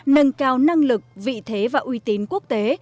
nâng cao năng lực vị thế và uy tín quốc tế